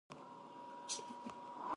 د کار ساعت کمول د هوساینې زیاتوالي لامل دی.